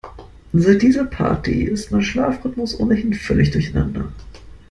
Seit dieser Party ist mein Schlafrhythmus ohnehin völlig durcheinander.